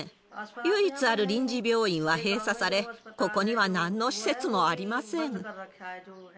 唯一ある臨時病院は閉鎖され、ここにはなんの施設もありません。